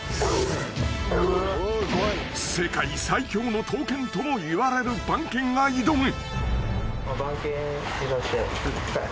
［世界最強の闘犬ともいわれる番犬が挑む］